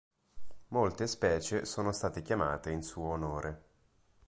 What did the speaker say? Molte specie sono state chiamate in suo onore.